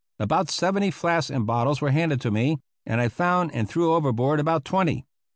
About seventy flasks and bottles were handed to me, and I found and threw overboard about twenty.